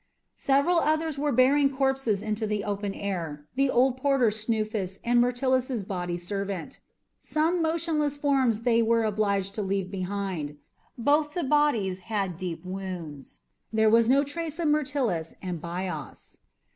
Several others were bearing corpses into the open air the old porter Snuphis and Myrtilus's body servant. Some motionless forms they were obliged to leave behind. Both the bodies had deep wounds. There was no trace of Myrtilus and Bias.